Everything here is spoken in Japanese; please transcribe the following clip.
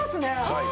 はい。